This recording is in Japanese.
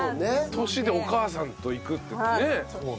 その年でお母さんと行くってね。